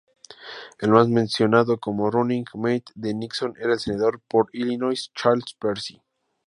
El más mencionado como "running-mate" de Nixon era el senador por Illinois, Charles Percy.